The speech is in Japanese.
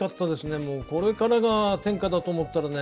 これからが天下だと思ったらね